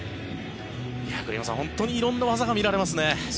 栗山さん、本当に色んな技が見られますね。